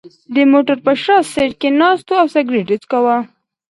د موټر په شا سېټ کې ناست و او سګرېټ یې څکاو.